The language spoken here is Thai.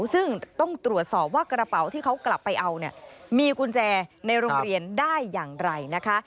ซึ่งต้องตรวจสอบว่ากระเป๋าที่เขากลับไปเอาเนี่ยมีกุญแจในโรงเรียนได้อย่างไรนะคะ